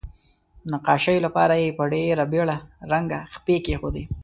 نقاشۍ لپاره یې په ډیره بیړه رنګه خپې کیښودې.